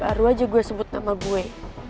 baru aja gue sebut nama gue